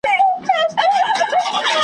چي د كوم يوه دښمن د چا پر خوا سي .